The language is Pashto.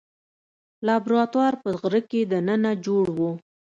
لابراتوار په غره کې دننه جوړ و.